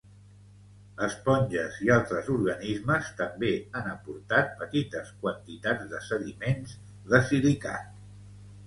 Esponges i altres organismes també han aportat petites quantitats de sediments de silicat.